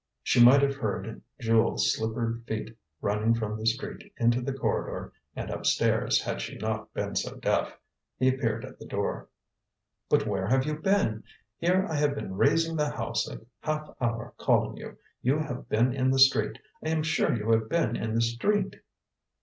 She might have heard Jules's slippered feet running from the street into the corridor and up stairs, had she not been so deaf. He appeared at the door. "But where have you been? Here I have been raising the house a half hour, calling you. You have been in the street. I am sure you have been in the street."